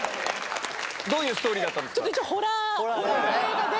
どういうストーリーだったんですか？